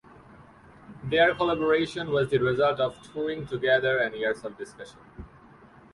Their collaboration was the result of touring together and years of discussion.